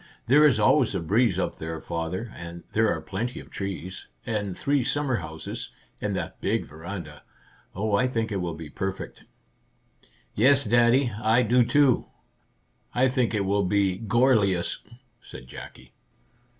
" There is always a breeze up there, father, and there are plenty of trees, and three summer houses, and that big veranda. Oh, I think it will be perfect." 26 Our Little Canadian Cousin 27 " Yes, Daddy, I do, too ! I think it will be gorlious !" said Jackie.